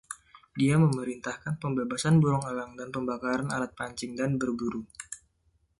Dia memerintahkan pembebasan burung elang dan pembakaran alat pancing dan berburu.